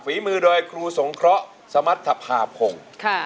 ฝีมือโดยครูสงเคราะห์สมรรถภาพง